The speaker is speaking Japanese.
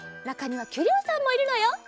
なかにはキュリオさんもいるのよ。